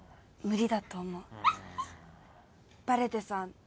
バレてさ